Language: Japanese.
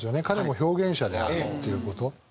彼も表現者であるっていう事。